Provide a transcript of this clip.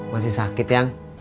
masih sakit ya